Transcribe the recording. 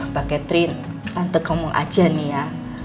pak catherine tante ngomong aja nih ya